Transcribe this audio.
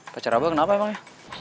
pacar abah kenapa emangnya